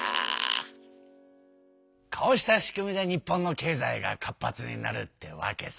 こうした仕組みで日本の経済が活発になるってわけさ。